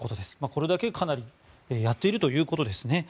これだけかなりやっているということですね。